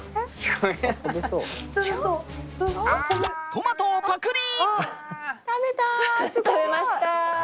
トマトをパクリ！